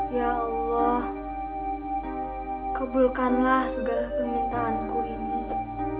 ya allah kebulkanlah segala permintaanku ini